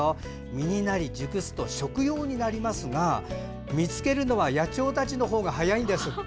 実になり熟すと食用になりますが見つけるのは野鳥たちの方が早いんです。